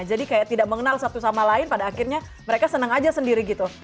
jadi kayak tidak mengenal satu sama lain pada akhirnya mereka senang aja sendiri gitu